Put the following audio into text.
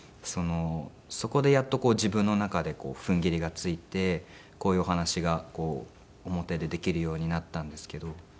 そこでやっとこう自分の中で踏ん切りがついてこういうお話が表でできるようになったんですけど。